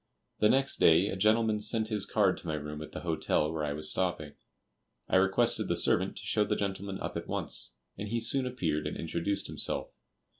The next day a gentleman sent his card to my room at the hotel where I was stopping. I requested the servant to show the gentleman up at once, and he soon appeared and introduced himself.